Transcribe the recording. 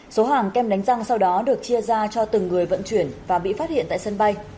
số hàng kem đánh răng sau đó được chia ra cho từng người vận chuyển và bị phát hiện tại sân bay